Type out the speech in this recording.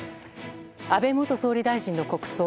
安倍元総理大臣の国葬。